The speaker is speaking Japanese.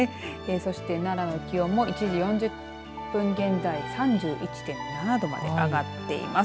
そして奈良の気温も１時４０分現在３１．７度まで上がっています。